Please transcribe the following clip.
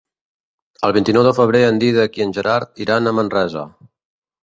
El vint-i-nou de febrer en Dídac i en Gerard iran a Manresa.